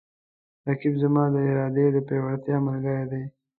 رقیب زما د ارادې د پیاوړتیا ملګری دی